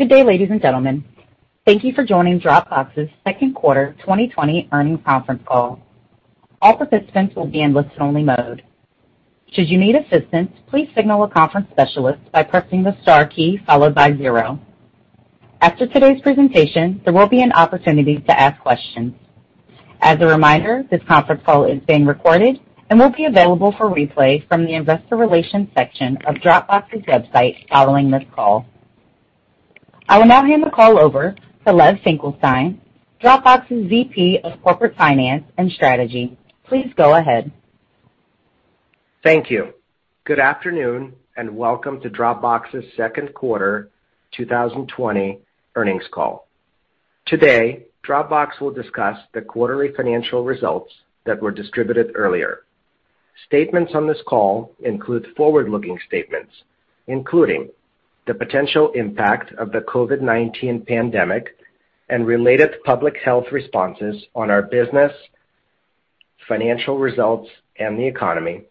Good day, ladies and gentlemen. Thank you for joining Dropbox's second quarter 2020 earnings conference call. All participants would be in listen only mode. Should you need assistance, please signal a conference specialist by pressing the star key followed by zero. After today's presentation, there will be an opportunity to ask questions. As a reminder, this call is being recorded and will be available for replay from the investor relation section of Dropbox's website following this call. I will now hand the call over to Lev Finkelstein, Dropbox's VP of Corporate Finance and Strategy. Please go ahead. Thank you. Good afternoon, and welcome to Dropbox's second quarter 2020 earnings call. Today, Dropbox will discuss the quarterly financial results that were distributed earlier. Statements on this call include forward-looking statements, including the potential impact of the COVID-19 pandemic and related public health responses on our business, financial results, and the economy.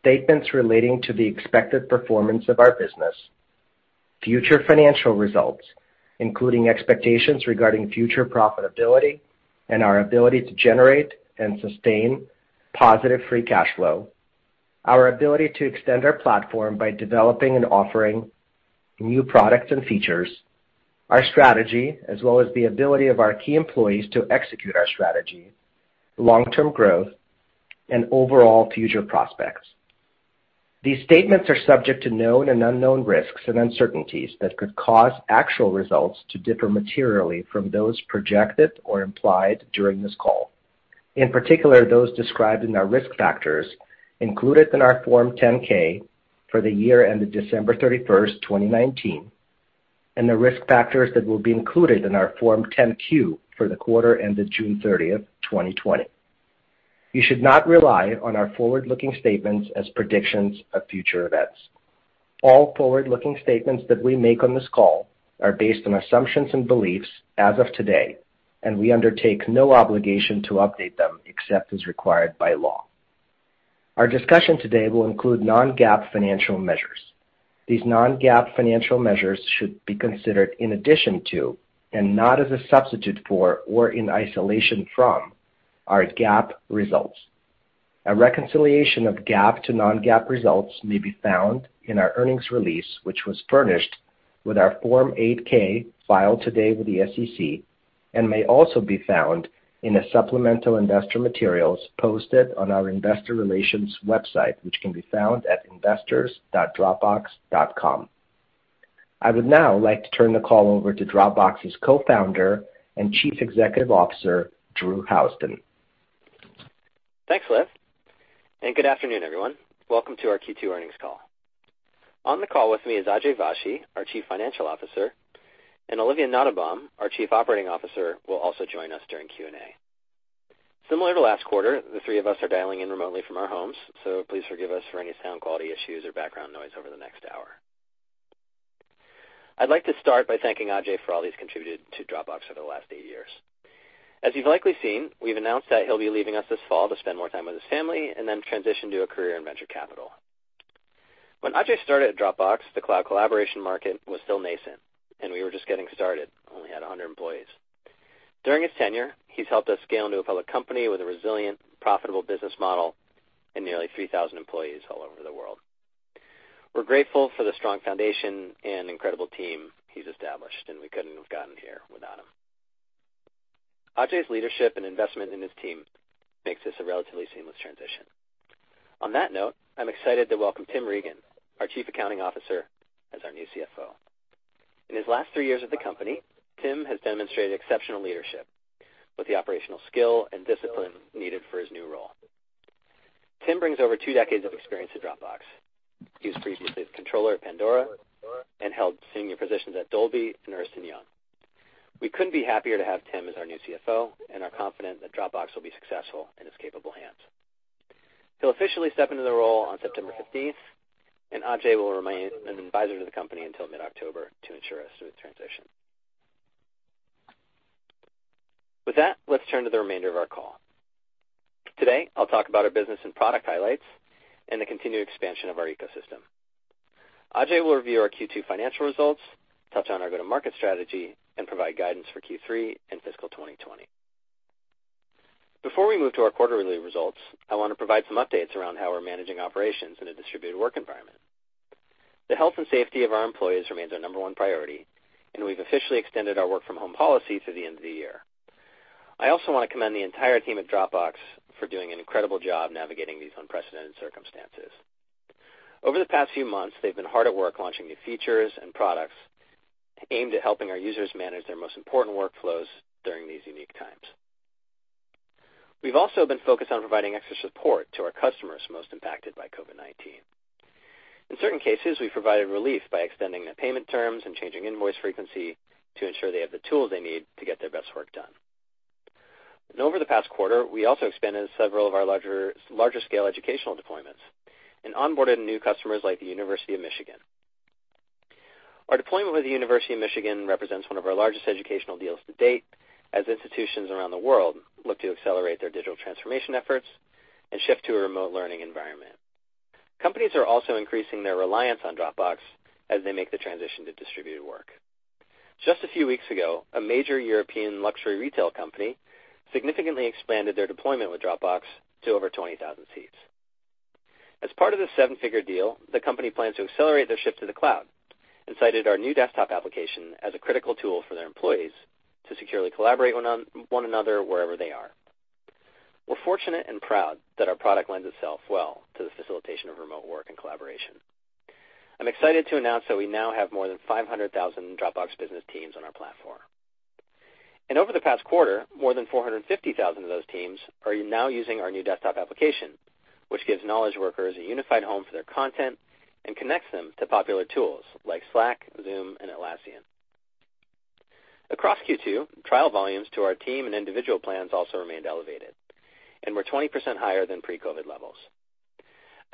Statements relating to the expected performance of our business, future financial results, including expectations regarding future profitability and our ability to generate and sustain positive free cash flow, our ability to extend our platform by developing and offering new products and features, our strategy, as well as the ability of our key employees to execute our strategy, long-term growth, and overall future prospects. These statements are subject to known and unknown risks and uncertainties that could cause actual results to differ materially from those projected or implied during this call. In particular, those described in our risk factors included in our Form 10-K for the year ended December 31st, 2019, and the risk factors that will be included in our Form 10-Q for the quarter ended June 30th, 2020. You should not rely on our forward-looking statements as predictions of future events. All forward-looking statements that we make on this call are based on assumptions and beliefs as of today, and we undertake no obligation to update them except as required by law. Our discussion today will include non-GAAP financial measures. These non-GAAP financial measures should be considered in addition to, and not as a substitute for or in isolation from, our GAAP results. A reconciliation of GAAP to non-GAAP results may be found in our earnings release, which was furnished with our Form 8-K filed today with the SEC and may also be found in the supplemental investor materials posted on our investor relations website, which can be found at investors.dropbox.com. I would now like to turn the call over to Dropbox's Co-founder and Chief Executive Officer, Drew Houston. Thanks, Lev, and good afternoon, everyone. Welcome to our Q2 earnings call. On the call with me is Ajay Vashee, our Chief Financial Officer, and Olivia Nottebohm, our Chief Operating Officer, will also join us during Q&A. Similar to last quarter, the three of us are dialing in remotely from our homes, so please forgive us for any sound quality issues or background noise over the next hour. I'd like to start by thanking Ajay for all he's contributed to Dropbox over the last eight years. As you've likely seen, we've announced that he'll be leaving us this fall to spend more time with his family and then transition to a career in venture capital. When Ajay started at Dropbox, the cloud collaboration market was still nascent, and we were just getting started. We only had 100 employees. During his tenure, he's helped us scale into a public company with a resilient, profitable business model and nearly 3,000 employees all over the world. We're grateful for the strong foundation and incredible team he's established, and we couldn't have gotten here without him. Ajay's leadership and investment in his team makes this a relatively seamless transition. On that note, I'm excited to welcome Tim Regan, our Chief Accounting Officer, as our new CFO. In his last three years at the company, Tim has demonstrated exceptional leadership with the operational skill and discipline needed for his new role. Tim brings over two decades of experience to Dropbox. He was previously the controller at Pandora and held senior positions at Dolby and Ernst & Young. We couldn't be happier to have Tim as our new CFO and are confident that Dropbox will be successful in his capable hands. He'll officially step into the role on September 15th, and Ajay will remain an advisor to the company until mid-October to ensure a smooth transition. With that, let's turn to the remainder of our call. Today, I'll talk about our business and product highlights and the continued expansion of our ecosystem. Ajay will review our Q2 financial results, touch on our go-to-market strategy, and provide guidance for Q3 and fiscal 2020. Before we move to our quarterly results, I want to provide some updates around how we're managing operations in a distributed work environment. The health and safety of our employees remains our number one priority, and we've officially extended our work from home policy through the end of the year. I also want to commend the entire team at Dropbox for doing an incredible job navigating these unprecedented circumstances. Over the past few months, they've been hard at work launching new features and products aimed at helping our users manage their most important workflows during these unique times. We've also been focused on providing extra support to our customers most impacted by COVID-19. In certain cases, we've provided relief by extending the payment terms and changing invoice frequency to ensure they have the tools they need to get their best work done. Over the past quarter, we also expanded several of our larger scale educational deployments and onboarded new customers like the University of Michigan. Our deployment with the University of Michigan represents one of our largest educational deals to date, as institutions around the world look to accelerate their digital transformation efforts and shift to a remote learning environment. Companies are also increasing their reliance on Dropbox as they make the transition to distributed work. Just a few weeks ago, a major European luxury retail company significantly expanded their deployment with Dropbox to over 20,000 seats. As part of the seven-figure deal, the company plans to accelerate their shift to the cloud and cited our new desktop application as a critical tool for their employees to securely collaborate with one another wherever they are. We're fortunate and proud that our product lends itself well to the facilitation of remote work and collaboration. I'm excited to announce that we now have more than 500,000 Dropbox Business teams on our platform. Over the past quarter, more than 450,000 of those teams are now using our new desktop application, which gives knowledge workers a unified home for their content and connects them to popular tools like Slack, Zoom, and Atlassian. Across Q2, trial volumes to our team and individual plans also remained elevated and were 20% higher than pre-COVID-19 levels.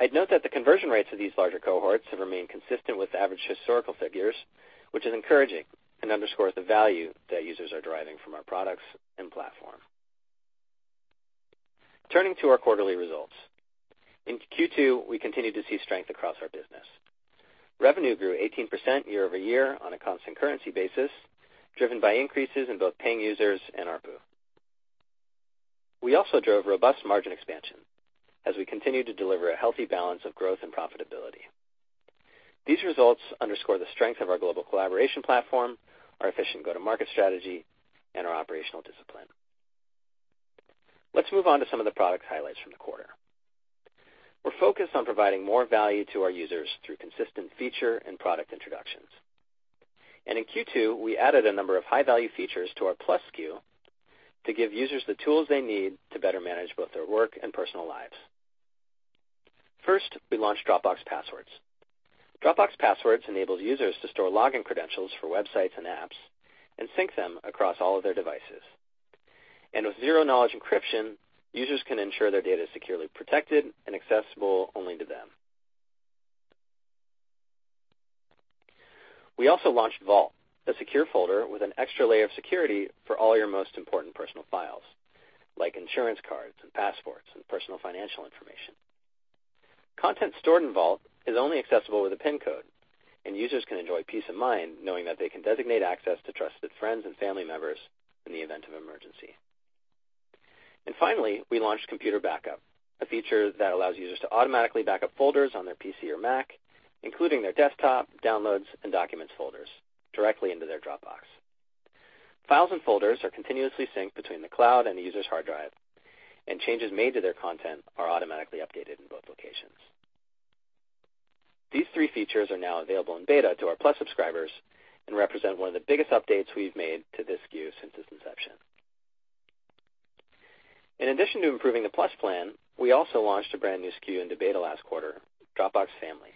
I'd note that the conversion rates of these larger cohorts have remained consistent with average historical figures, which is encouraging and underscores the value that users are deriving from our products and platform. Turning to our quarterly results. In Q2, we continued to see strength across our business. Revenue grew 18% year-over-year on a constant currency basis, driven by increases in both paying users and our ARPU. We also drove robust margin expansion as we continued to deliver a healthy balance of growth and profitability. These results underscore the strength of our global collaboration platform, our efficient go-to-market strategy, and our operational discipline. Let's move on to some of the product highlights from the quarter. We're focused on providing more value to our users through consistent feature and product introductions. In Q2, we added a number of high-value features to our Plus SKU to give users the tools they need to better manage both their work and personal lives. First, we launched Dropbox Passwords. Dropbox Passwords enables users to store login credentials for websites and apps and sync them across all of their devices. With zero-knowledge encryption, users can ensure their data is securely protected and accessible only to them. We also launched Vault, a secure folder with an extra layer of security for all your most important personal files, like insurance cards and passports and personal financial information. Content stored in Vault is only accessible with a PIN code, and users can enjoy peace of mind knowing that they can designate access to trusted friends and family members in the event of an emergency. Finally, we launched Dropbox Backup, a feature that allows users to automatically back up folders on their PC or Mac, including their desktop, downloads, and documents folders, directly into their Dropbox. Files and folders are continuously synced between the cloud and the user's hard drive, and changes made to their content are automatically updated in both locations. These three features are now available in beta to our Plus subscribers and represent one of the biggest updates we've made to this SKU since its inception. In addition to improving the Plus plan, we also launched a brand-new SKU into beta last quarter, Dropbox Family.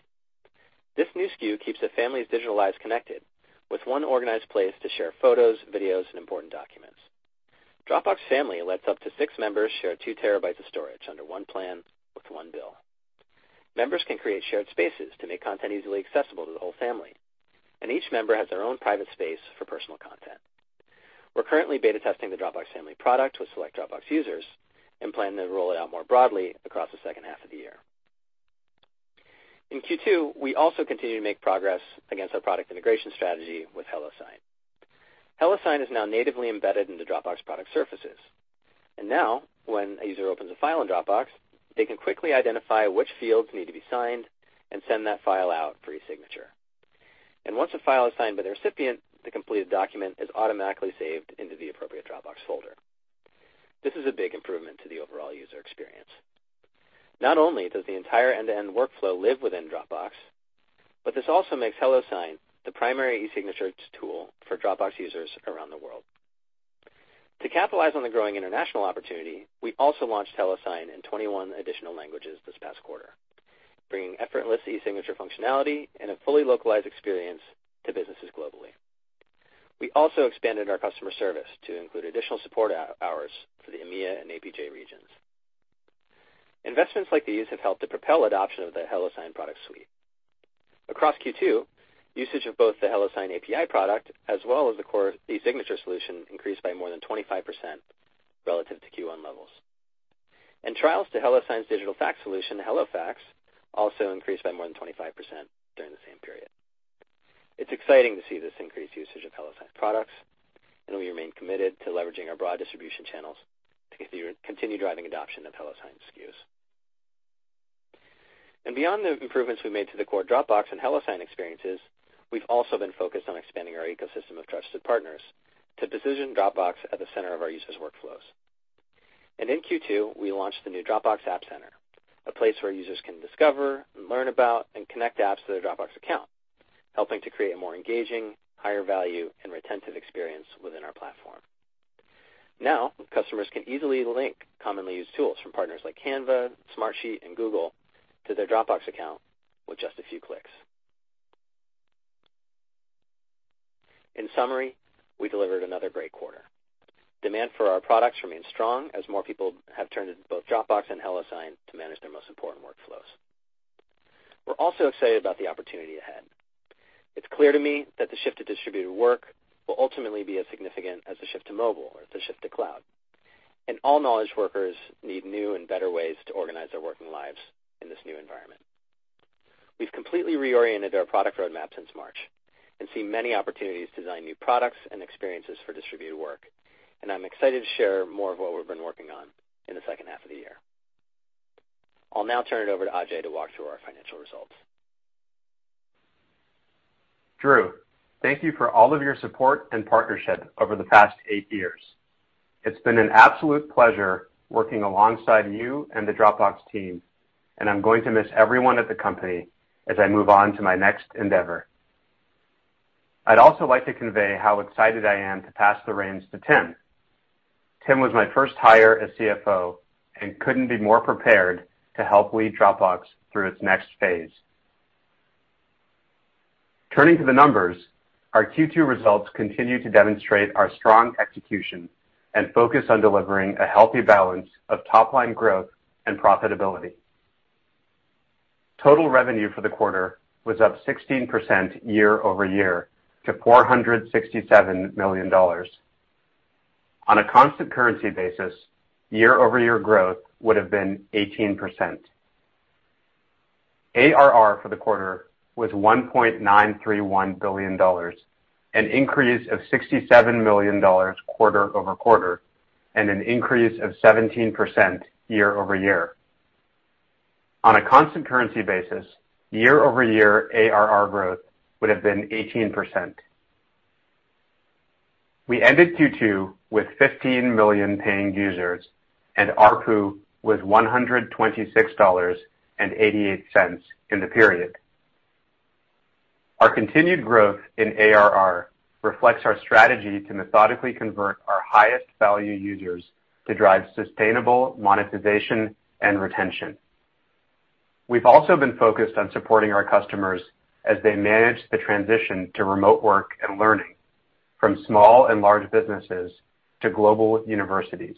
This new SKU keeps a family's digital lives connected with one organized place to share photos, videos, and important documents. Dropbox Family lets up to six members share 2 TB of storage under one plan with one bill. Members can create shared spaces to make content easily accessible to the whole family, and each member has their own private space for personal content. We're currently beta testing the Dropbox Family product with select Dropbox users and plan to roll it out more broadly across the second half of the year. In Q2, we also continued to make progress against our product integration strategy with HelloSign. HelloSign is now natively embedded into Dropbox product surfaces. Now, when a user opens a file in Dropbox, they can quickly identify which fields need to be signed and send that file out for e-signature. Once a file is signed by the recipient, the completed document is automatically saved into the appropriate Dropbox folder. This is a big improvement to the overall user experience. Not only does the entire end-to-end workflow live within Dropbox, but this also makes HelloSign the primary e-signature tool for Dropbox users around the world. To capitalize on the growing international opportunity, we also launched HelloSign in 21 additional languages this past quarter, bringing effortless e-signature functionality and a fully localized experience to businesses globally. We also expanded our customer service to include additional support hours for the EMEA and APJ regions. Investments like these have helped to propel adoption of the HelloSign product suite. Across Q2, usage of both the HelloSign API product as well as the core e-signature solution increased by more than 25% relative to Q1 levels. Trials to HelloSign's digital fax solution, HelloFax, also increased by more than 25% during the same period. It's exciting to see this increased usage of HelloSign products, and we remain committed to leveraging our broad distribution channels to continue driving adoption of HelloSign SKUs. Beyond the improvements we made to the core Dropbox and HelloSign experiences, we've also been focused on expanding our ecosystem of trusted partners to position Dropbox at the center of our users' workflows. In Q2, we launched the new Dropbox App Center, a place where users can discover and learn about and connect apps to their Dropbox account, helping to create a more engaging, higher-value, and retentive experience within our platform. Now, customers can easily link commonly used tools from partners like Canva, Smartsheet, and Google to their Dropbox account with just a few clicks. In summary, we delivered another great quarter. Demand for our products remains strong as more people have turned to both Dropbox and HelloSign to manage their most important workflows. We're also excited about the opportunity ahead. It's clear to me that the shift to distributed work will ultimately be as significant as the shift to mobile or the shift to cloud. All knowledge workers need new and better ways to organize their working lives in this new environment. We've completely reoriented our product roadmap since March and seen many opportunities to design new products and experiences for distributed work. I'm excited to share more of what we've been working on in the second half of the year. I'll now turn it over to Ajay to walk through our financial results. Drew, thank you for all of your support and partnership over the past eight years. It's been an absolute pleasure working alongside you and the Dropbox team. I'm going to miss everyone at the company as I move on to my next endeavor. I'd also like to convey how excited I am to pass the reins to Tim. Tim was my first hire as CFO and couldn't be more prepared to help lead Dropbox through its next phase. Turning to the numbers, our Q2 results continue to demonstrate our strong execution and focus on delivering a healthy balance of top-line growth and profitability. Total revenue for the quarter was up 16% year-over-year to $467 million. On a constant currency basis, year-over-year growth would have been 18%. ARR for the quarter was $1.931 billion, an increase of $67 million quarter-over-quarter, and an increase of 17% year-over-year. On a constant currency basis, year-over-year ARR growth would have been 18%. We ended Q2 with 15 million paying users, and ARPU was $126.88 in the period. Our continued growth in ARR reflects our strategy to methodically convert our highest value users to drive sustainable monetization and retention. We've also been focused on supporting our customers as they manage the transition to remote work and learning, from small and large businesses to global universities.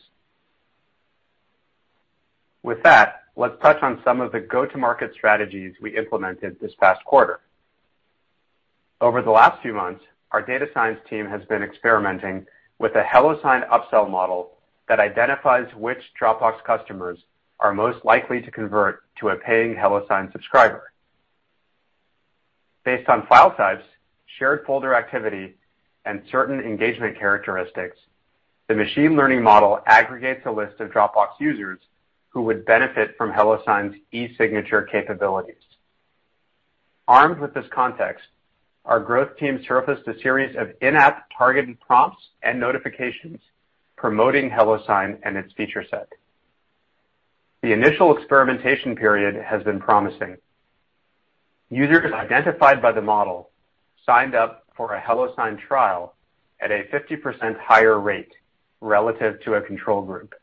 With that, let's touch on some of the go-to-market strategies we implemented this past quarter. Over the last few months, our data science team has been experimenting with a HelloSign upsell model that identifies which Dropbox customers are most likely to convert to a paying HelloSign subscriber. Based on file types, shared folder activity, and certain engagement characteristics, the machine learning model aggregates a list of Dropbox users who would benefit from HelloSign's e-signature capabilities. Armed with this context, our growth team surfaced a series of in-app targeted prompts and notifications promoting HelloSign and its feature set. The initial experimentation period has been promising. Users identified by the model signed up for a HelloSign trial at a 50% higher rate relative to a control group.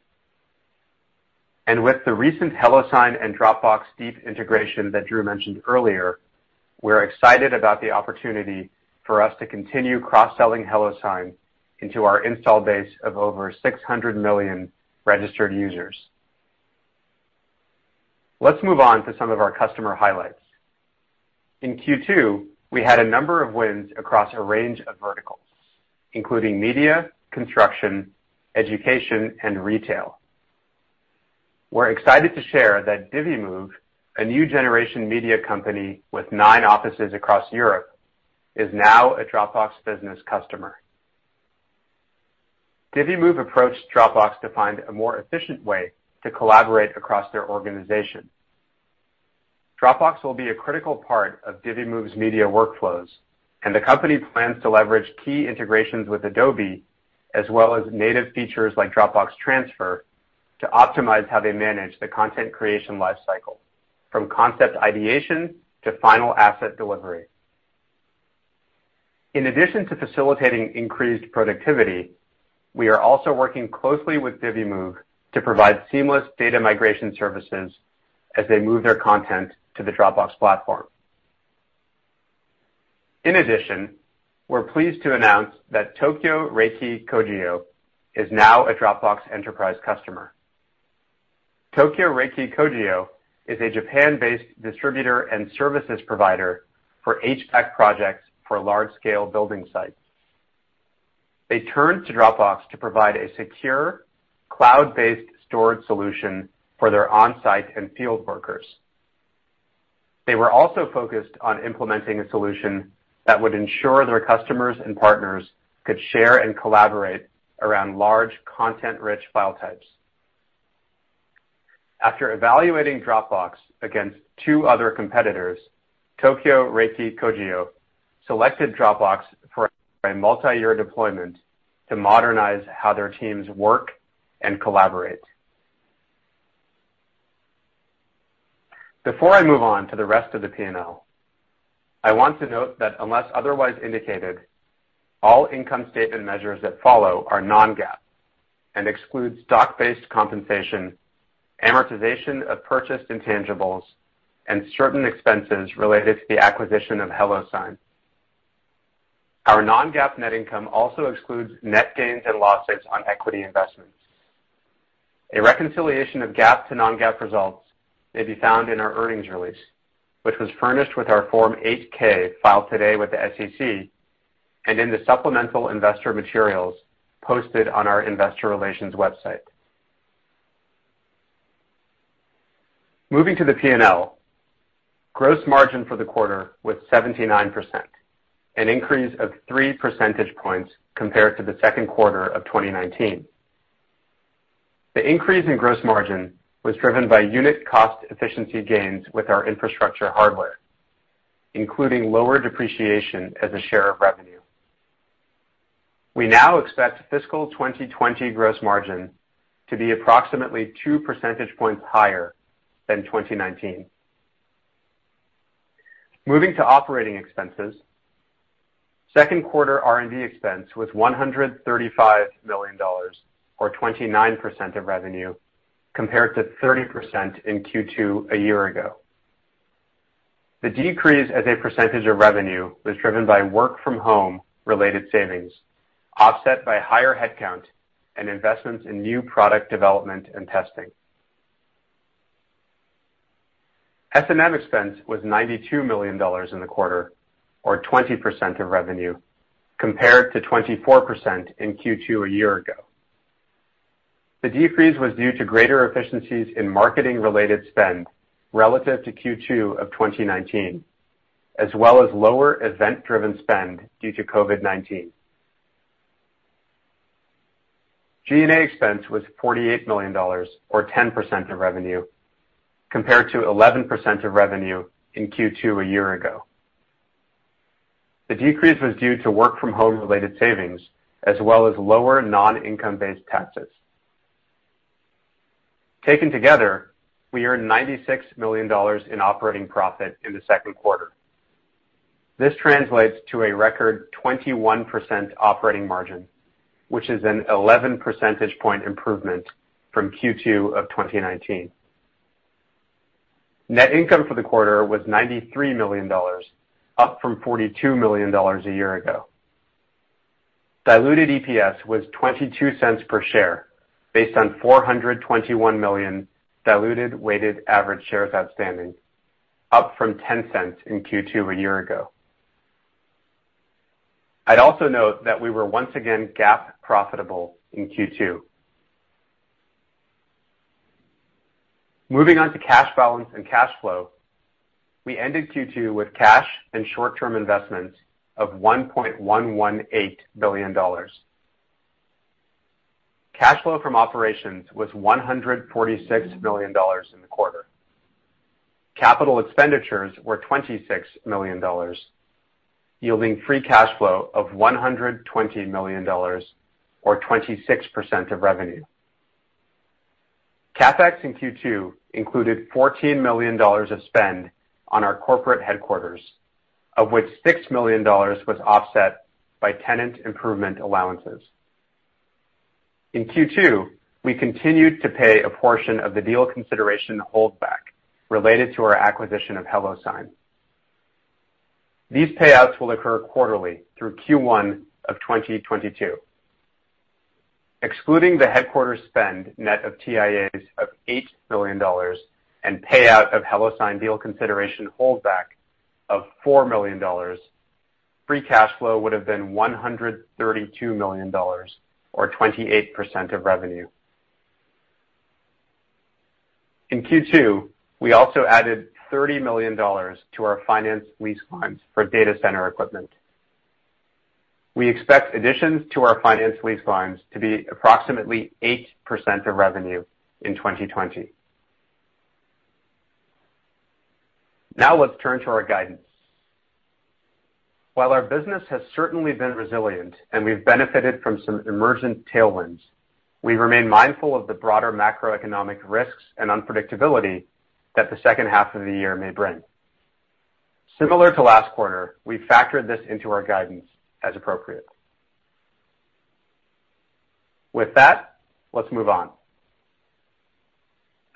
With the recent HelloSign and Dropbox deep integration that Drew mentioned earlier, we're excited about the opportunity for us to continue cross-selling HelloSign into our install base of over 600 million registered users. Let's move on to some of our customer highlights. In Q2, we had a number of wins across a range of verticals, including media, construction, education, and retail. We're excited to share that Divimove, a new generation media company with nine offices across Europe, is now a Dropbox Business customer. Divimove approached Dropbox to find a more efficient way to collaborate across their organization. Dropbox will be a critical part of Divimove's media workflows, and the company plans to leverage key integrations with Adobe, as well as native features like Dropbox Transfer, to optimize how they manage the content creation life cycle from concept ideation to final asset delivery. In addition to facilitating increased productivity, we are also working closely with Divimove to provide seamless data migration services as they move their content to the Dropbox platform. We're pleased to announce that Tokyo Reiki Kogyo is now a Dropbox enterprise customer. Tokyo Reiki Kogyo is a Japan-based distributor and services provider for HVAC projects for large-scale building sites. They turned to Dropbox to provide a secure, cloud-based storage solution for their on-site and field workers. They were also focused on implementing a solution that would ensure their customers and partners could share and collaborate around large content-rich file types. After evaluating Dropbox against two other competitors, Tokyo Reiki Kogyo selected Dropbox for a multi-year deployment to modernize how their teams work and collaborate. Before I move on to the rest of the P&L, I want to note that unless otherwise indicated, all income statement measures that follow are non-GAAP and exclude stock-based compensation, amortization of purchased intangibles, and certain expenses related to the acquisition of HelloSign. Our non-GAAP net income also excludes net gains and losses on equity investments. A reconciliation of GAAP to non-GAAP results may be found in our earnings release, which was furnished with our Form 8-K filed today with the SEC and in the supplemental investor materials posted on our investor relations website. Moving to the P&L, gross margin for the quarter was 79%, an increase of three percentage points compared to the second quarter of 2019. The increase in gross margin was driven by unit cost efficiency gains with our infrastructure hardware, including lower depreciation as a share of revenue. We now expect fiscal 2020 gross margin to be approximately two percentage points higher than 2019. Moving to operating expenses, second quarter R&D expense was $135 million, or 29% of revenue, compared to 30% in Q2 a year ago. The decrease as a percentage of revenue was driven by work-from-home related savings, offset by higher headcount and investments in new product development and testing. S&M expense was $92 million in the quarter, or 20% of revenue, compared to 24% in Q2 a year ago. The decrease was due to greater efficiencies in marketing-related spend relative to Q2 of 2019, as well as lower event-driven spend due to COVID-19. G&A expense was $48 million, or 10% of revenue, compared to 11% of revenue in Q2 a year ago. The decrease was due to work-from-home related savings, as well as lower non-income based taxes. Taken together, we earned $96 million in operating profit in the second quarter. This translates to a record 21% operating margin, which is an 11 percentage point improvement from Q2 of 2019. Net income for the quarter was $93 million, up from $42 million a year ago. Diluted EPS was $0.22 per share based on 421 million diluted weighted average shares outstanding, up from $0.10 in Q2 a year ago. I'd also note that we were once again GAAP profitable in Q2. Moving on to cash balance and cash flow, we ended Q2 with cash and short-term investments of $1.118 billion. Cash flow from operations was $146 million in the quarter. Capital expenditures were $26 million, yielding free cash flow of $120 million, or 26% of revenue. CapEx in Q2 included $14 million of spend on our corporate headquarters, of which $6 million was offset by tenant improvement allowances. In Q2, we continued to pay a portion of the deal consideration holdback related to our acquisition of HelloSign. These payouts will occur quarterly through Q1 of 2022. Excluding the headquarters spend net of TIAs of $8 million and payout of HelloSign deal consideration holdback of $4 million, free cash flow would've been $132 million, or 28% of revenue. In Q2, we also added $30 million to our finance lease lines for data center equipment. We expect additions to our finance lease lines to be approximately 8% of revenue in 2020. Now let's turn to our guidance. While our business has certainly been resilient and we've benefited from some emergent tailwinds, we remain mindful of the broader macroeconomic risks and unpredictability that the second half of the year may bring. Similar to last quarter, we factored this into our guidance as appropriate. With that, let's move on.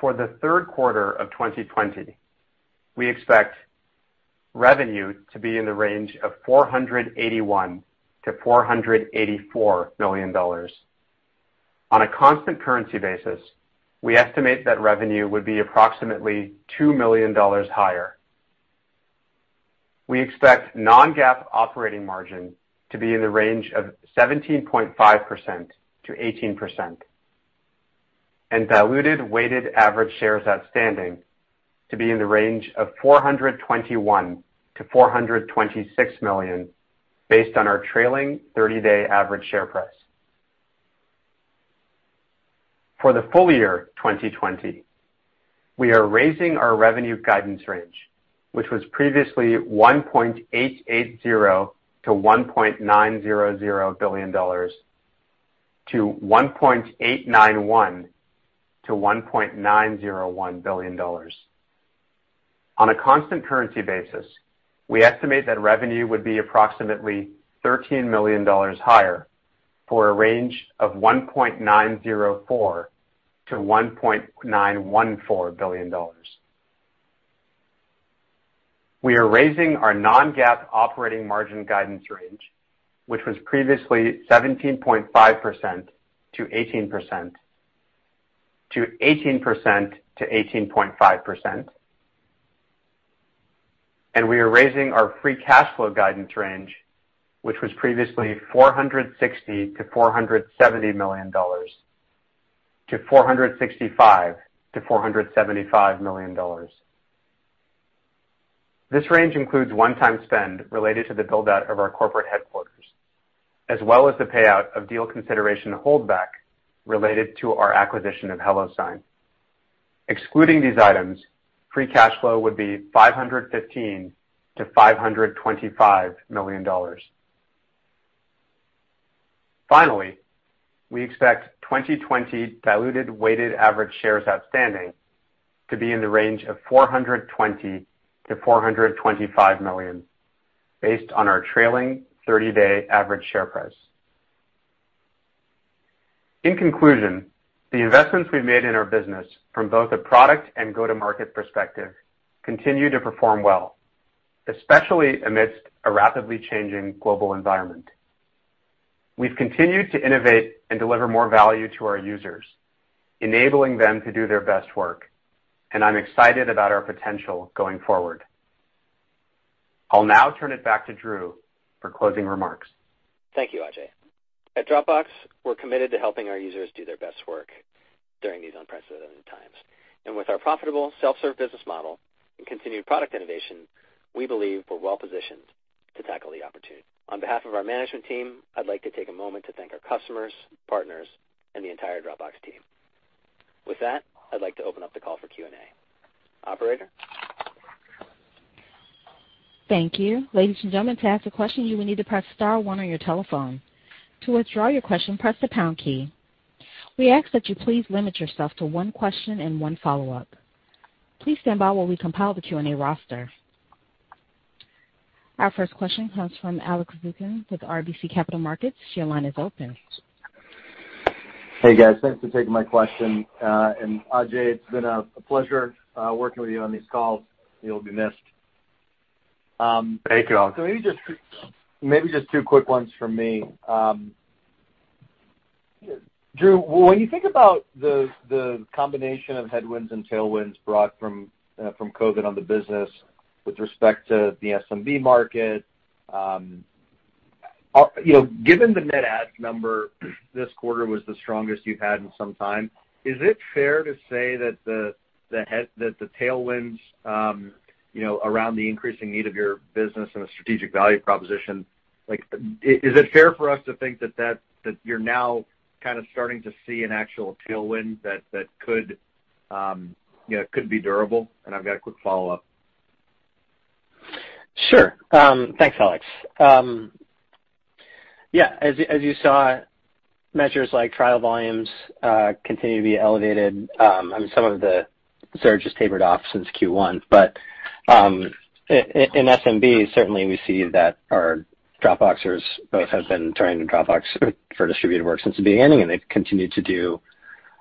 For the third quarter of 2020, we expect revenue to be in the range of $481 million-$484 million. On a constant currency basis, we estimate that revenue would be approximately $2 million higher. We expect non-GAAP operating margin to be in the range of 17.5%-18%, and diluted weighted average shares outstanding to be in the range of 421 million-426 million based on our trailing 30-day average share price. For the full year 2020, we are raising our revenue guidance range, which was previously $1.880 billion-$1.900 billion, to $1.891 billion-$1.901 billion. On a constant currency basis, we estimate that revenue would be approximately $13 million higher for a range of $1.904 billion-$1.914 billion. We are raising our non-GAAP operating margin guidance range, which was previously 17.5%-18%, to 18%-18.5%. We are raising our free cash flow guidance range, which was previously $460 million-$470 million, to $465 million-$475 million. This range includes one-time spend related to the build-out of our corporate headquarters, as well as the payout of deal consideration holdback related to our acquisition of HelloSign. Excluding these items, free cash flow would be $515 million-$525 million. Finally, we expect 2020 diluted weighted average shares outstanding to be in the range of 420 million-425 million based on our trailing 30-day average share price. In conclusion, the investments we've made in our business from both a product and go-to-market perspective continue to perform well, especially amidst a rapidly changing global environment. We've continued to innovate and deliver more value to our users, enabling them to do their best work, and I'm excited about our potential going forward. I'll now turn it back to Drew for closing remarks. Thank you, Ajay. At Dropbox, we're committed to helping our users do their best work during these unprecedented times. With our profitable self-serve business model and continued product innovation, we believe we're well-positioned to tackle the opportunity. On behalf of our management team, I'd like to take a moment to thank our customers, partners, and the entire Dropbox team. With that, I'd like to open up the call for Q&A. Operator? Thank you. Ladies and gentlemen, to ask a question, you will need to press star one on your telephone. To withdraw your question, press the pound key. We ask that you please limit yourself to one question and one follow-up. Please stand by while we compile the Q&A roster. Our first question comes from Alex Zukin with RBC Capital Markets. Your line is open. Hey, guys. Thanks for taking my question. Ajay, it's been a pleasure working with you on these calls. You'll be missed. Thank you, Alex. Maybe just two quick ones from me. Drew, when you think about the combination of headwinds and tailwinds brought from COVID on the business with respect to the SMB market, given the net add number this quarter was the strongest you've had in some time, is it fair to say that the tailwinds, around the increasing need of your business and the strategic value proposition, is it fair for us to think that you're now kind of starting to see an actual tailwind that could be durable? I've got a quick follow-up. Sure. Thanks, Alex. As you saw, measures like trial volumes continue to be elevated. I mean, some of the surge has tapered off since Q1. In SMB, certainly we see that our Dropboxers both have been turning to Dropbox for distributed work since the beginning, and they've continued to do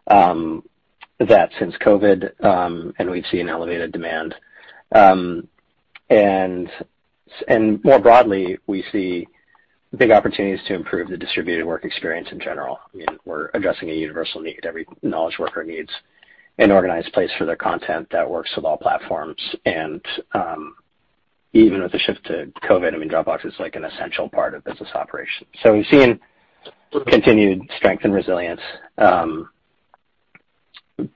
that since COVID, and we see an elevated demand. More broadly, we see big opportunities to improve the distributed work experience in general. I mean, we're addressing a universal need. Every knowledge worker needs an organized place for their content that works with all platforms. Even with the shift to COVID, I mean Dropbox is an essential part of business operations. We've seen continued strength and resilience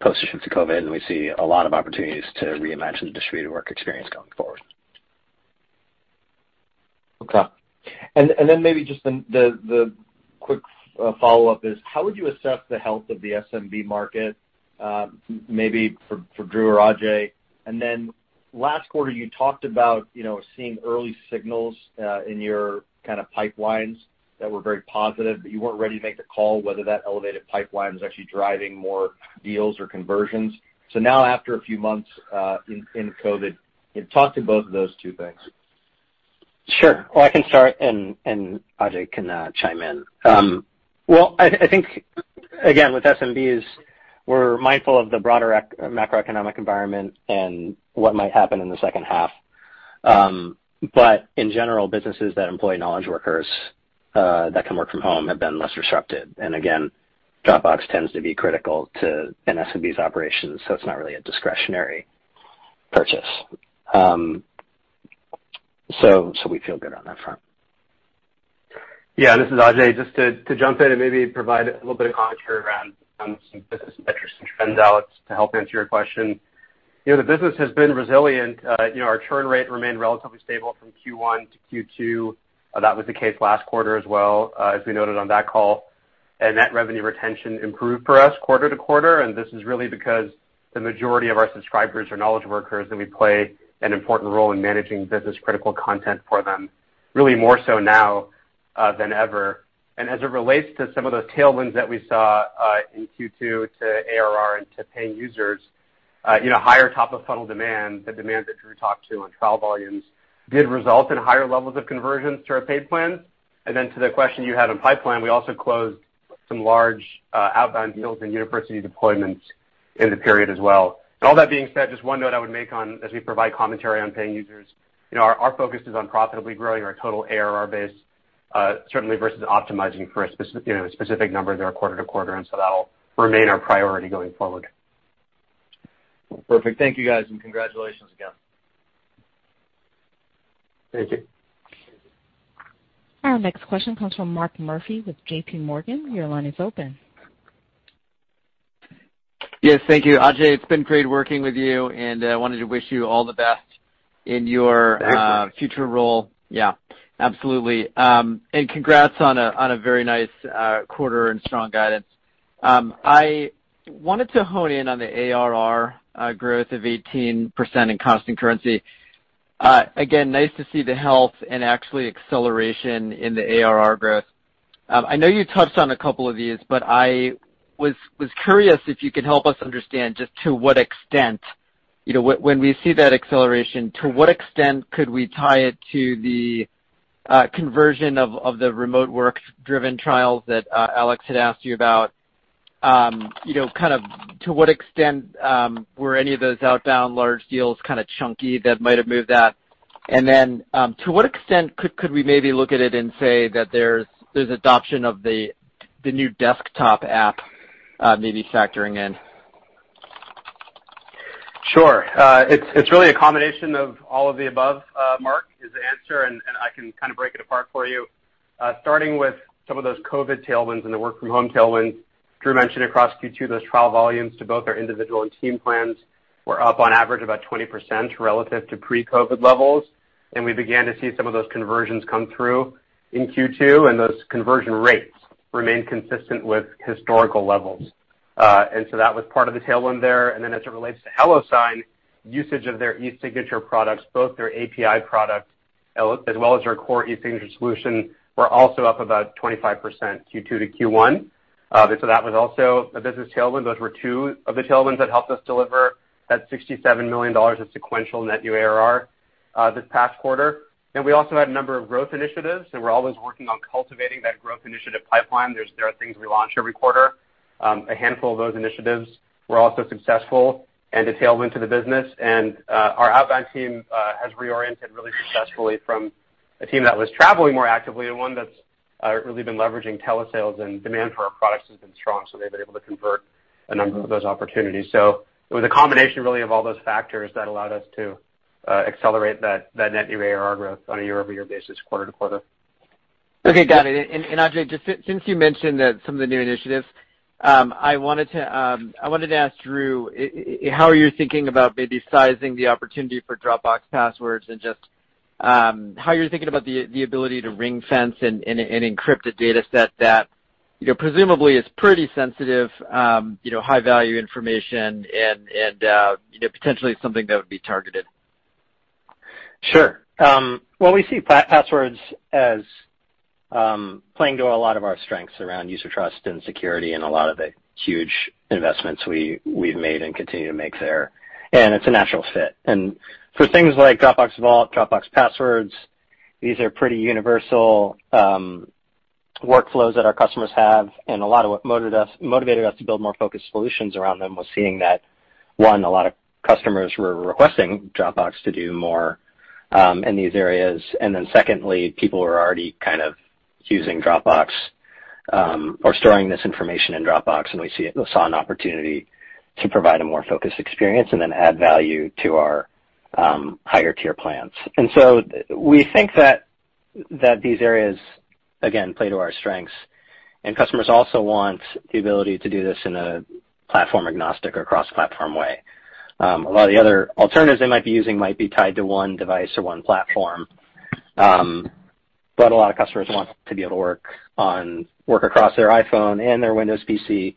post the shift to COVID, and we see a lot of opportunities to reimagine the distributed work experience going forward. Okay. Maybe just the quick follow-up is how would you assess the health of the SMB market, maybe for Drew or Ajay. Last quarter, you talked about seeing early signals in your kind of pipelines that were very positive, but you weren't ready to make the call whether that elevated pipeline was actually driving more deals or conversions. Now after a few months, in COVID, talk to both of those two things. Sure. Well, I can start, and Ajay can chime in. Well, I think, again, with SMBs, we're mindful of the broader macroeconomic environment and what might happen in the second half. In general, businesses that employ knowledge workers that can work from home have been less disrupted. Again, Dropbox tends to be critical to an SMB's operations, so it's not really a discretionary purchase. We feel good on that front. Yeah, this is Ajay. Just to jump in and maybe provide a little bit of commentary around some business metrics and trends, Alex, to help answer your question. The business has been resilient. Our churn rate remained relatively stable from Q1 to Q2. That was the case last quarter as well, as we noted on that call. Net revenue retention improved for us quarter to quarter, and this is really because the majority of our subscribers are knowledge workers, and we play an important role in managing business-critical content for them, really more so now than ever. As it relates to some of those tailwinds that we saw in Q2 to ARR and to paying users, higher top-of-funnel demand, the demand that Drew talked to on trial volumes did result in higher levels of conversions to our paid plans. To the question you had on pipeline, we also closed some large outbound deals and university deployments in the period as well. All that being said, just one note I would make on as we provide commentary on paying users, our focus is on profitably growing our total ARR base certainly versus optimizing for a specific number there quarter-to-quarter, so that'll remain our priority going forward. Perfect. Thank you, guys, and congratulations again. Thank you. Our next question comes from Mark Murphy with JPMorgan. Your line is open. Yes, thank you. Ajay, it's been great working with you, and I wanted to wish you all the best in your. Thank you. Future role. Yeah, absolutely. Congrats on a very nice quarter and strong guidance. I wanted to hone in on the ARR growth of 18% in constant currency. Again, nice to see the health and actually acceleration in the ARR growth. I know you touched on a couple of these, but I was curious if you could help us understand just to what extent, when we see that acceleration, to what extent could we tie it to the conversion of the remote work-driven trials that Alex had asked you about? Kind of to what extent were any of those outbound large deals kind of chunky that might have moved that? To what extent could we maybe look at it and say that there's adoption of the new desktop app maybe factoring in? Sure. It's really a combination of all of the above, Mark, is the answer. I can kind of break it apart for you. Starting with some of those COVID tailwinds and the work from home tailwinds, Drew mentioned across Q2 those trial volumes to both our individual and team plans were up on average about 20% relative to pre-COVID levels. We began to see some of those conversions come through in Q2. Those conversion rates remain consistent with historical levels. That was part of the tailwind there. As it relates to HelloSign, usage of their e-signature products, both their API product as well as their core e-signature solution, were also up about 25% Q2 to Q1. That was also a business tailwind. Those were two of the tailwinds that helped us deliver that $67 million of sequential net new ARR this past quarter. We also had a number of growth initiatives, and we're always working on cultivating that growth initiative pipeline. There are things we launch every quarter. A handful of those initiatives were also successful and a tailwind to the business. Our outbound team has reoriented really successfully from a team that was traveling more actively to one that's really been leveraging telesales, and demand for our products has been strong, so they've been able to convert a number of those opportunities. It was a combination really of all those factors that allowed us to accelerate that net new ARR growth on a year-over-year basis quarter-to-quarter. Okay, got it. Ajay, just since you mentioned some of the new initiatives, I wanted to ask Drew, how are you thinking about maybe sizing the opportunity for Dropbox Passwords and just how you're thinking about the ability to ring-fence and encrypt a data set that presumably is pretty sensitive, high-value information and potentially something that would be targeted? Sure. Well, we see Passwords as playing to a lot of our strengths around user trust and security and a lot of the huge investments we've made and continue to make there. It's a natural fit. For things like Dropbox Vault, Dropbox Passwords, these are pretty universal workflows that our customers have, and a lot of what motivated us to build more focused solutions around them was seeing that, one, a lot of customers were requesting Dropbox to do more in these areas. Secondly, people were already kind of using Dropbox or storing this information in Dropbox, and we saw an opportunity to provide a more focused experience and then add value to our higher-tier plans. We think that these areas, again, play to our strengths, and customers also want the ability to do this in a platform-agnostic or cross-platform way. A lot of the other alternatives they might be using might be tied to one device or one platform, but a lot of customers want to be able to work across their iPhone and their Windows PC,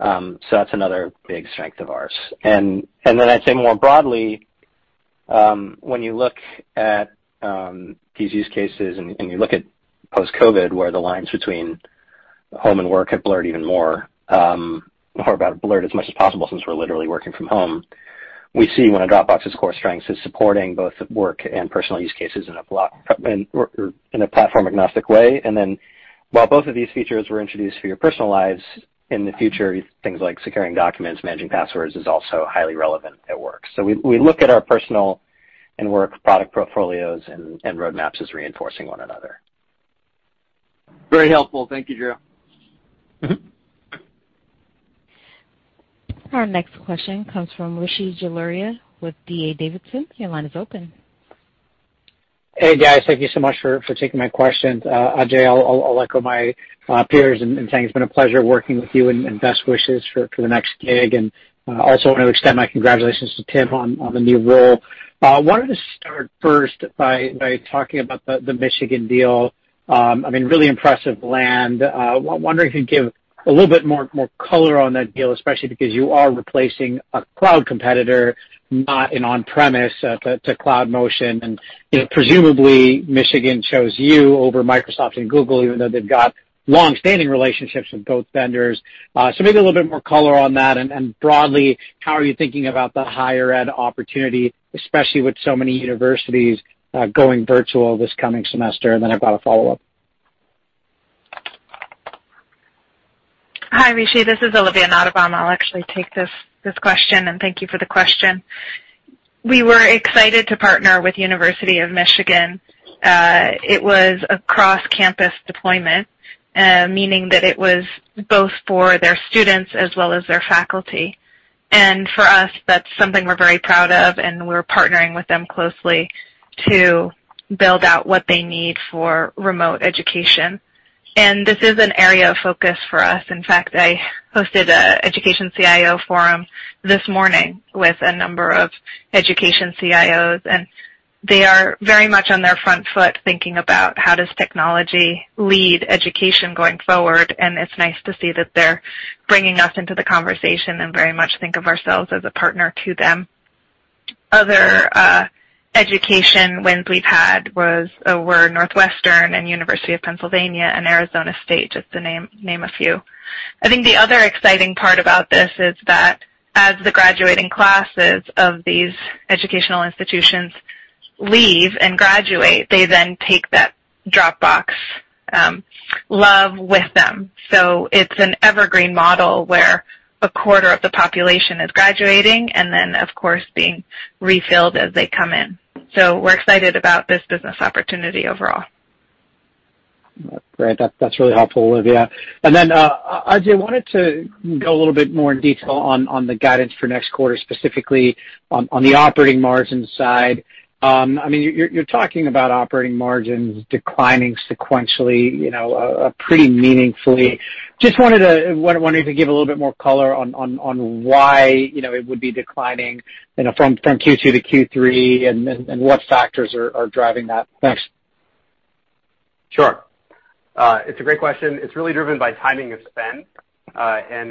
so that's another big strength of ours. I'd say more broadly, when you look at these use cases and you look at post-COVID, where the lines between home and work have blurred even more, or have blurred as much as possible since we're literally working from home, we see one of Dropbox's core strengths is supporting both work and personal use cases in a platform-agnostic way. While both of these features were introduced for your personal lives, in the future, things like securing documents, managing passwords is also highly relevant at work. We look at our personal and work product portfolios and roadmaps as reinforcing one another. Very helpful. Thank you, Drew. Our next question comes from Rishi Jaluria with D.A. Davidson. Your line is open. Hey, guys. Thank you so much for taking my questions. Ajay, I'll echo my peers and say it's been a pleasure working with you and best wishes for the next gig, also I want to extend my congratulations to Tim on the new role. Wanted to start first by talking about the Michigan deal. I mean, really impressive land. Wondering if you could give a little bit more color on that deal, especially because you are replacing a cloud competitor, not an on-premise to cloud motion. Presumably, Michigan chose you over Microsoft and Google, even though they've got longstanding relationships with both vendors. Maybe a little bit more color on that. Broadly, how are you thinking about the higher ed opportunity, especially with so many universities going virtual this coming semester? Then I've got a follow-up. Hi, Rishi, this is Olivia Nottebohm. I'll actually take this question, and thank you for the question. We were excited to partner with University of Michigan. It was a cross-campus deployment, meaning that it was both for their students as well as their faculty. For us, that's something we're very proud of, and we're partnering with them closely to build out what they need for remote education. This is an area of focus for us. In fact, I hosted an education CIO forum this morning with a number of education CIOs, and they are very much on their front foot, thinking about how does technology lead education going forward. It's nice to see that they're bringing us into the conversation and very much think of ourselves as a partner to them. Other education wins we've had were Northwestern and University of Pennsylvania and Arizona State, just to name a few. I think the other exciting part about this is that as the graduating classes of these educational institutions leave and graduate, they then take that Dropbox love with them. It's an evergreen model where a quarter of the population is graduating and then, of course, being refilled as they come in. We're excited about this business opportunity overall. Great. That's really helpful, Olivia. Ajay, I wanted to go a little bit more in detail on the guidance for next quarter, specifically on the operating margin side. You're talking about operating margins declining sequentially pretty meaningfully. Just wanted you to give a little bit more color on why it would be declining from Q2 to Q3 and what factors are driving that. Thanks. Sure. It's a great question. It's really driven by timing of spend.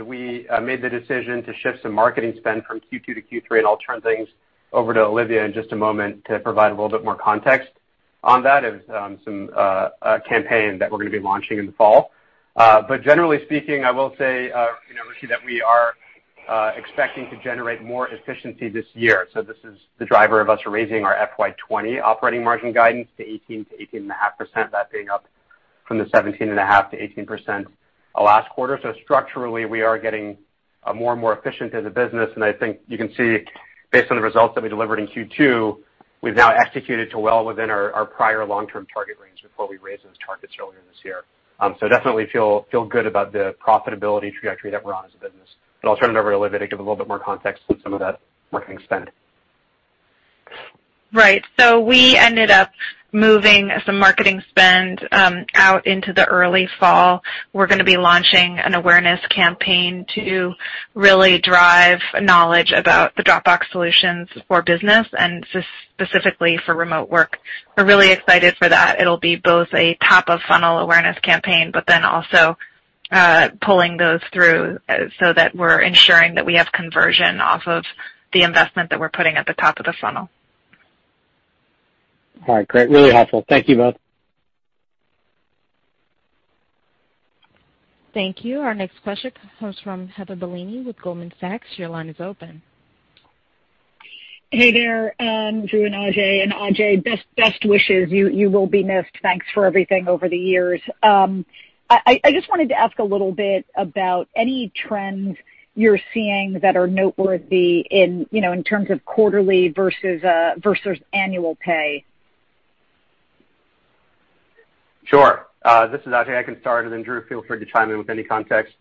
We made the decision to shift some marketing spend from Q2 to Q3, and I'll turn things over to Olivia in just a moment to provide a little bit more context on that as some campaign that we're going to be launching in the fall. Generally speaking, I will say, Rishi, that we are expecting to generate more efficiency this year. This is the driver of us raising our FY 2020 operating margin guidance to 18%-18.5%, that being up from the 17.5%-18% last quarter. Structurally, we are getting more and more efficient as a business, and I think you can see based on the results that we delivered in Q2, we've now executed to well within our prior long-term target range before we raised those targets earlier this year. Definitely feel good about the profitability trajectory that we're on as a business. I'll turn it over to Olivia to give a little bit more context on some of that marketing spend. Right. We ended up moving some marketing spend out into the early fall. We're going to be launching an awareness campaign to really drive knowledge about the Dropbox solutions for business and specifically for remote work. We're really excited for that. It'll be both a top-of-funnel awareness campaign, also pulling those through so that we're ensuring that we have conversion off of the investment that we're putting at the top of the funnel. All right, great. Really helpful. Thank you both. Thank you. Our next question comes from Heather Bellini with Goldman Sachs. Your line is open. Hey there, Drew and Ajay. Ajay, best wishes. You will be missed. Thanks for everything over the years. I just wanted to ask a little bit about any trends you're seeing that are noteworthy in terms of quarterly versus annual pay. Sure. This is Ajay. Then Drew, feel free to chime in with any context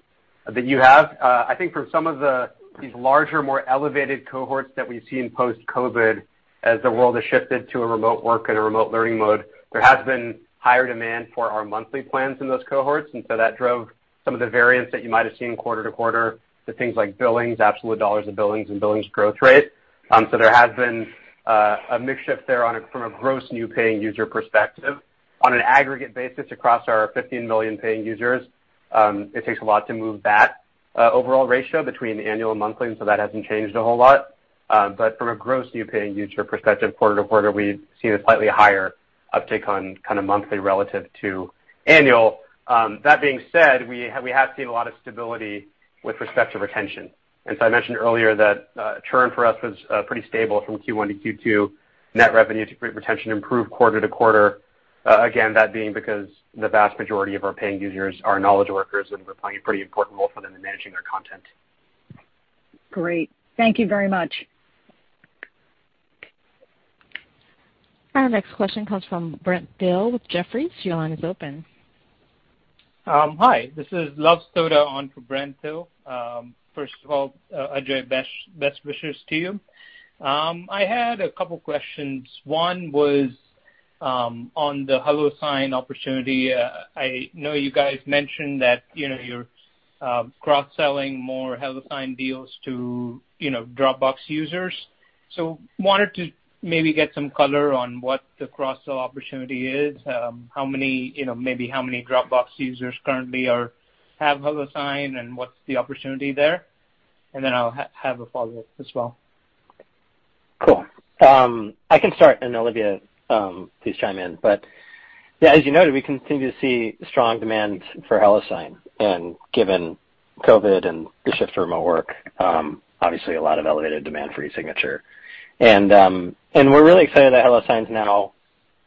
that you have. I think for some of these larger, more elevated cohorts that we see in post-COVID, as the world has shifted to a remote work and a remote learning mode, there has been higher demand for our monthly plans in those cohorts, so that drove some of the variance that you might have seen quarter-to-quarter to things like billings, absolute dollars of billings, and billings growth rate. There has been a mix shift there from a gross new paying user perspective. On an aggregate basis across our 15 million paying users, it takes a lot to move that overall ratio between annual and monthly, so that hasn't changed a whole lot. From a gross new paying user perspective, quarter to quarter, we've seen a slightly higher uptake on kind of monthly relative to annual. That being said, we have seen a lot of stability with respect to retention. I mentioned earlier that churn for us was pretty stable from Q1 to Q2. Net revenue retention improved quarter to quarter. Again, that being because the vast majority of our paying users are knowledge workers, and we're playing a pretty important role for them in managing their content. Great. Thank you very much. Our next question comes from Brent Thill with Jefferies. Your line is open. Hi. This is Luv Sodha on for Brent Thill. First of all, Ajay, best wishes to you. I had a couple questions. One was on the HelloSign opportunity. I know you guys mentioned that you're cross-selling more HelloSign deals to Dropbox users. Wanted to maybe get some color on what the cross-sell opportunity is, maybe how many Dropbox users currently have HelloSign, and what's the opportunity there? Then I'll have a follow-up as well. Cool. I can start, and Olivia, please chime in. Yeah, as you noted, we continue to see strong demand for HelloSign and given COVID and the shift to remote work, obviously a lot of elevated demand for e-signature. We're really excited that HelloSign is now.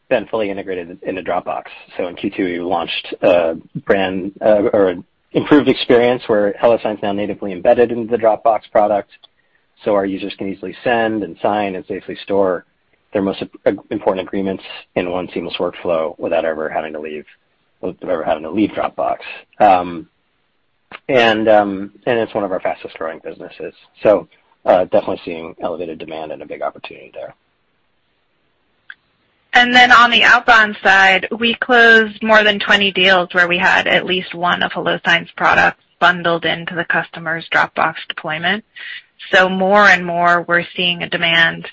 Been fully integrated into Dropbox. In Q2, we launched an improved experience where HelloSign's now natively embedded into the Dropbox product. Our users can easily send and sign and safely store their most important agreements in one seamless workflow without ever having to leave Dropbox. It's one of our fastest-growing businesses. Definitely seeing elevated demand and a big opportunity there. On the outbound side, we closed more than 20 deals where we had at least one of HelloSign's products bundled into the customer's Dropbox deployment. More and more we're seeing a demand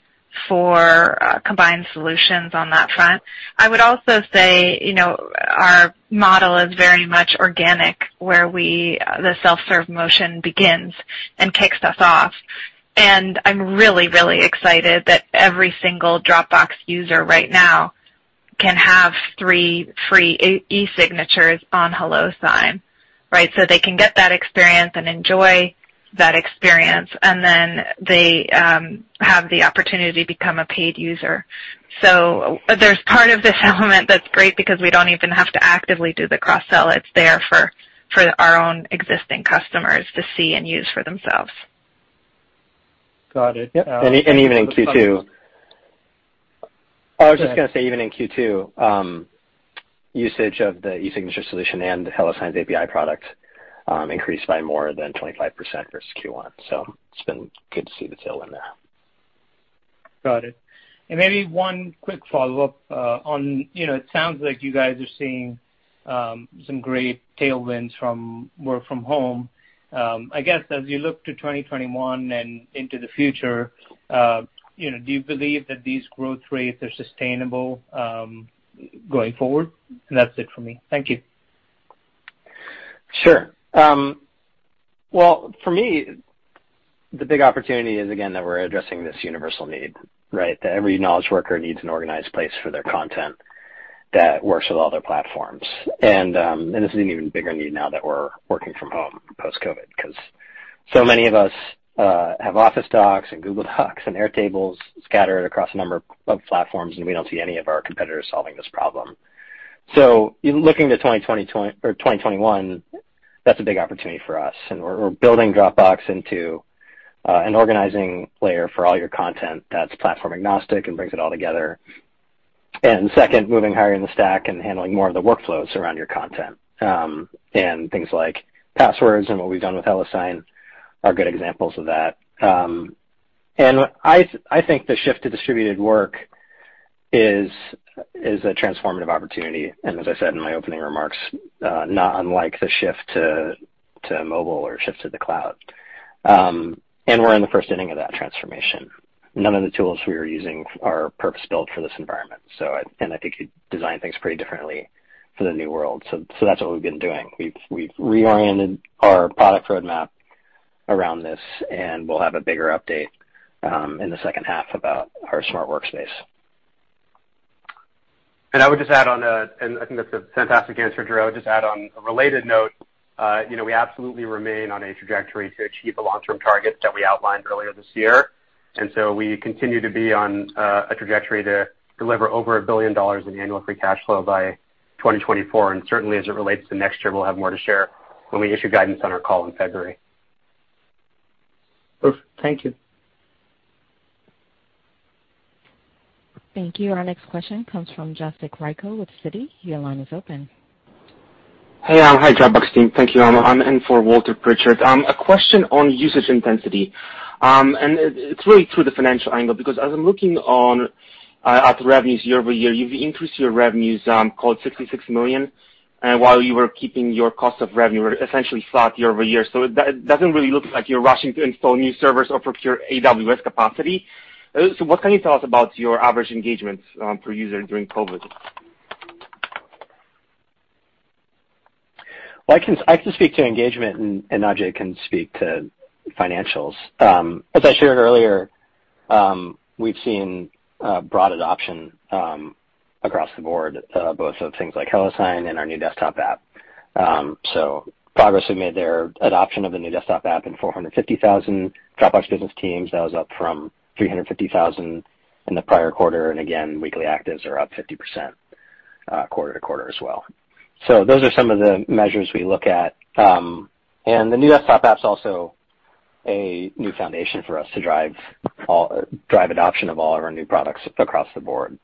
for combined solutions on that front. I would also say our model is very much organic, where the self-serve motion begins and kicks us off. I'm really, really excited that every single Dropbox user right now can have three free e-signatures on HelloSign. They can get that experience and enjoy that experience, they have the opportunity to become a paid user. There's part of this element that's great because we don't even have to actively do the cross-sell. It's there for our own existing customers to see and use for themselves. Got it. Even in Q2. I was just going to say, even in Q2, usage of the e-signature solution and HelloSign's API product increased by more than 25% versus Q1. It's been good to see the tailwind there. Got it. Maybe one quick follow-up. It sounds like you guys are seeing some great tailwinds from work from home. I guess as you look to 2021 and into the future, do you believe that these growth rates are sustainable going forward? That's it for me. Thank you. Sure. Well, for me, the big opportunity is, again, that we're addressing this universal need. That every knowledge worker needs an organized place for their content that works with all their platforms. This is an even bigger need now that we're working from home post-COVID, because so many of us have Office Docs and Google Docs and Airtable scattered across a number of platforms, and we don't see any of our competitors solving this problem. Looking to 2021, that's a big opportunity for us, and we're building Dropbox into an organizing layer for all your content that's platform-agnostic and brings it all together. Second, moving higher in the stack and handling more of the workflows around your content. Things like passwords and what we've done with HelloSign are good examples of that. I think the shift to distributed work is a transformative opportunity, and as I said in my opening remarks, not unlike the shift to mobile or shift to the cloud. We're in the first inning of that transformation. None of the tools we were using are purpose-built for this environment. I think you design things pretty differently for the new world. That's what we've been doing. We've reoriented our product roadmap around this, and we'll have a bigger update in the second half about our smart workspace. I think that's a fantastic answer, Drew. I would just add, on a related note, we absolutely remain on a trajectory to achieve the long-term targets that we outlined earlier this year. We continue to be on a trajectory to deliver over $1 billion in annual free cash flow by 2024. Certainly, as it relates to next year, we'll have more to share when we issue guidance on our call in February. Perfect. Thank you. Thank you. Our next question comes from Jacek Rycko with Citi. Your line is open. Hey. Hi, Dropbox team. Thank you. I'm in for Walter Pritchard. A question on usage intensity, and it's really through the financial angle because as I'm looking at the revenues year-over-year, you've increased your revenues, call it $66 million, while you were keeping your cost of revenue essentially flat year-over-year. It doesn't really look like you're rushing to install new servers or procure AWS capacity. What can you tell us about your average engagement per user during COVID? Well, I can speak to engagement, and Ajay can speak to financials. As I shared earlier, we've seen broad adoption across the board, both of things like HelloSign and our new desktop app. Progress we've made there, adoption of the new desktop app in 450,000 Dropbox Business teams. That was up from 350,000 in the prior quarter. Again, weekly actives are up 50% quarter-to-quarter as well. Those are some of the measures we look at. The new desktop app's also a new foundation for us to drive adoption of all of our new products across the board.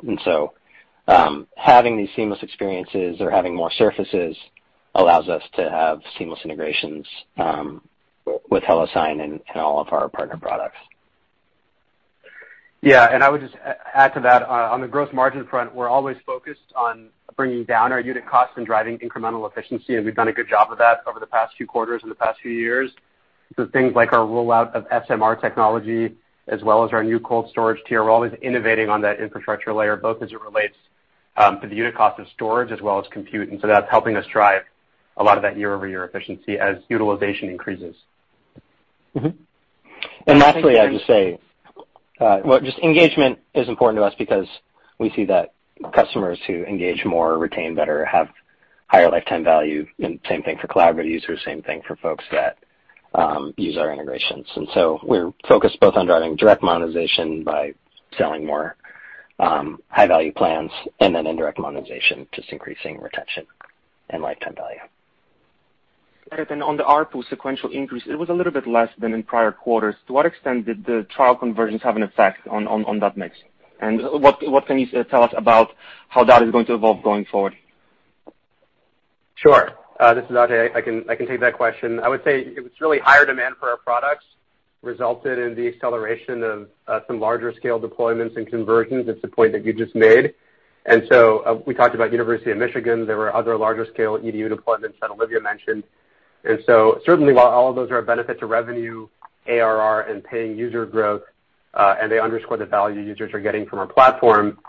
Having these seamless experiences or having more surfaces allows us to have seamless integrations with HelloSign and all of our partner products. Yeah, I would just add to that, on the gross margin front, we're always focused on bringing down our unit cost and driving incremental efficiency, and we've done a good job of that over the past few quarters and the past few years. Things like our rollout of SMR technology, as well as our new cold storage tier, we're always innovating on that infrastructure layer, both as it relates to the unit cost of storage as well as compute. That's helping us drive a lot of that year-over-year efficiency as utilization increases. Lastly, I'd just say, just engagement is important to us because we see that customers who engage more retain better, have higher lifetime value. Same thing for collaborative users, same thing for folks that use our integrations. We're focused both on driving direct monetization by selling more high-value plans and then indirect monetization, just increasing retention and lifetime value. On the ARPU sequential increase, it was a little bit less than in prior quarters. To what extent did the trial conversions have an effect on that mix? What can you tell us about how that is going to evolve going forward? Sure. This is Ajay. I can take that question. I would say it was really higher demand for our products resulted in the acceleration of some larger scale deployments and conversions. It's the point that you just made. We talked about University of Michigan. There were other larger scale EDU deployments that Olivia mentioned. Certainly while all of those are a benefit to revenue, ARR, and paying user growth, and they underscore the value users are getting from our platform,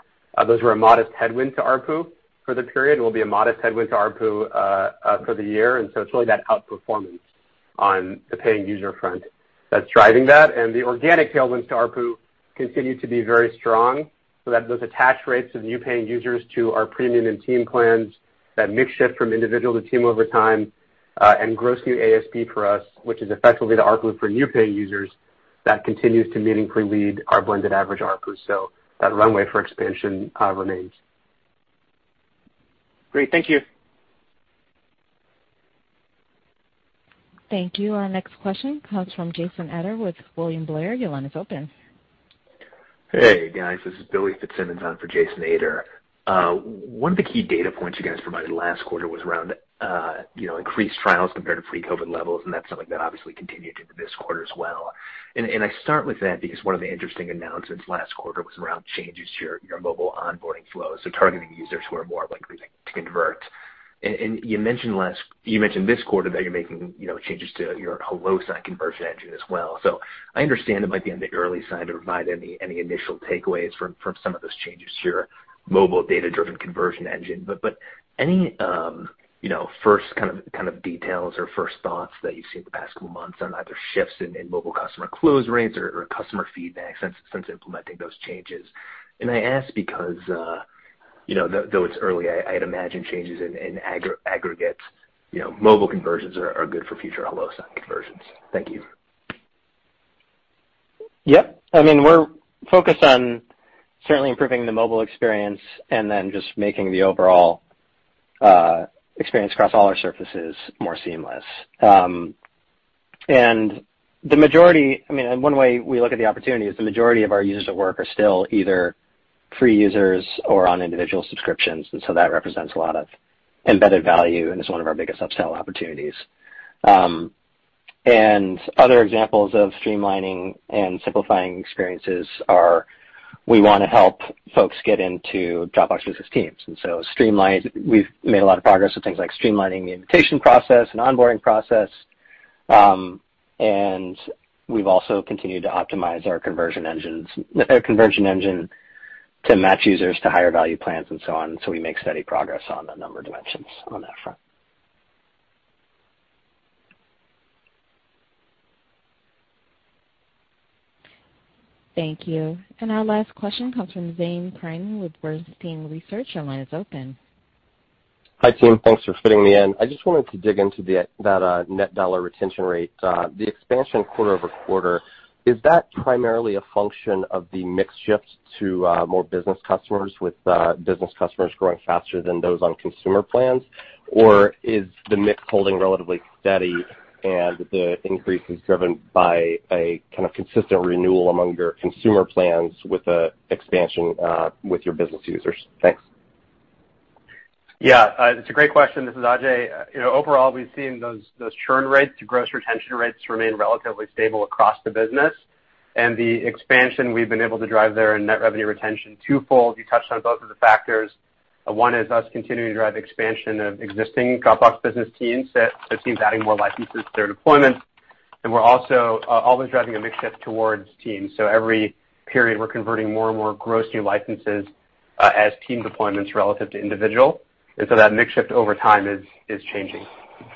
those were a modest headwind to ARPU for the period, will be a modest headwind to ARPU for the year. It's really that outperformance on the paying user front that's driving that. The organic tailwinds to ARPU continue to be very strong, so that those attach rates of new paying users to our premium and team plans, that mix shift from individual to team over time, and gross new ASP for us, which is effectively the ARPU for new paying users, that continues to meaningfully lead our blended average ARPU. That runway for expansion remains. Great. Thank you. Thank you. Our next question comes from Jason Ader with William Blair. Your line is open. Hey, guys. This is Billy Fitzsimmons on for Jason Ader. One of the key data points you guys provided last quarter was around increased trials compared to pre-COVID levels, and that's something that obviously continued into this quarter as well. I start with that because one of the interesting announcements last quarter was around changes to your mobile onboarding flow, so targeting users who are more likely to convert. You mentioned this quarter that you're making changes to your HelloSign conversion engine as well. I understand it might be on the early side to provide any initial takeaways from some of those changes to your mobile data-driven conversion engine, but any first kind of details or first thoughts that you've seen the past couple months on either shifts in mobile customer close rates or customer feedback since implementing those changes? I ask because, though it's early, I'd imagine changes in aggregate mobile conversions are good for future HelloSign conversions. Thank you. Yep. I mean, we're focused on certainly improving the mobile experience and then just making the overall experience across all our surfaces more seamless. The majority, I mean, one way we look at the opportunity is the majority of our users at work are still either free users or on individual subscriptions, and so that represents a lot of embedded value and is one of our biggest upsell opportunities. Other examples of streamlining and simplifying experiences are we want to help folks get into Dropbox Business teams, and so we've made a lot of progress with things like streamlining the invitation process and onboarding process, and we've also continued to optimize our conversion engine to match users to higher value plans and so on. We make steady progress on a number of dimensions on that front. Thank you. Our last question comes from Zane Chrane with Bernstein Research. Your line is open. Hi, team. Thanks for fitting me in. I just wanted to dig into that net dollar retention rate. The expansion quarter-over-quarter, is that primarily a function of the mix shift to more business customers with business customers growing faster than those on consumer plans? Is the mix holding relatively steady and the increase is driven by a kind of consistent renewal among your consumer plans with the expansion with your business users? Thanks. Yeah. It's a great question. This is Ajay. Overall, we've seen those churn rates to gross retention rates remain relatively stable across the business, and the expansion we've been able to drive there in net revenue retention twofold. You touched on both of the factors. One is us continuing to drive expansion of existing Dropbox Business teams, so teams adding more licenses to their deployment. We're also always driving a mix shift towards teams. Every period, we're converting more and more gross new licenses as team deployments relative to individual. That mix shift over time is changing. Okay.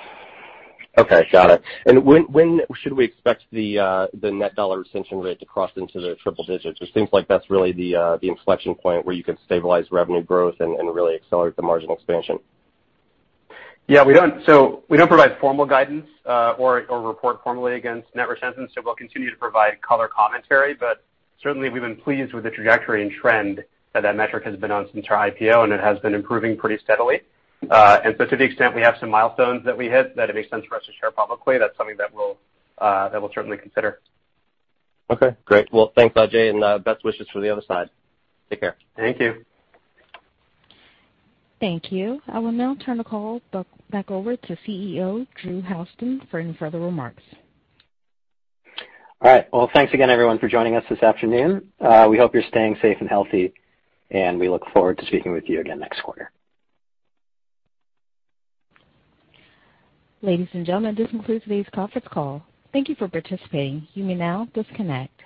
Got it. When should we expect the net dollar retention rate to cross into the triple digits? It seems like that's really the inflection point where you can stabilize revenue growth and really accelerate the marginal expansion. We don't provide formal guidance or report formally against net retention, so we'll continue to provide color commentary. Certainly, we've been pleased with the trajectory and trend that that metric has been on since our IPO, and it has been improving pretty steadily. To the extent we have some milestones that we hit that it makes sense for us to share publicly, that's something that we'll certainly consider. Okay, great. Well, thanks, Ajay, and best wishes for the other side. Take care. Thank you. Thank you. I will now turn the call back over to CEO, Drew Houston, for any further remarks. All right. Well, thanks again, everyone, for joining us this afternoon. We hope you're staying safe and healthy, and we look forward to speaking with you again next quarter. Ladies and gentlemen, this concludes today's conference call. Thank you for participating. You may now disconnect.